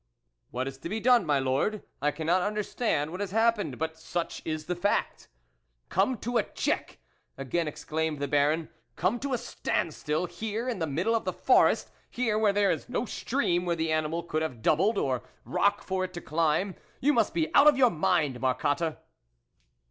" What is to be done, my Lord ? I can not understand what has happened, but such is the fact." " Come to a check !" again exclaimed the Baron, " come to a standstill, here, in the middle of the forest, here where there is no stream where the animal could have doubled, or rock for it to climb. You must be out of your mind, Marcotte